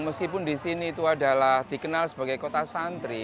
meskipun di sini itu adalah dikenal sebagai kota santri